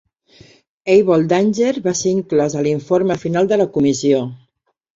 Able Danger va ser inclòs a l'informe final de la Comissió.